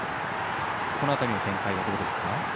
この辺りの展開はどうですか？